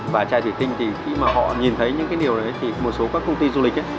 và chai thủy tinh thì khi mà họ nhìn thấy những cái điều đấy thì một số các công ty du lịch ấy